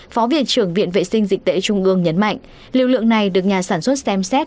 phó viện trưởng viện vệ sinh dịch tễ trung ương nhấn mạnh lưu lượng này được nhà sản xuất xem xét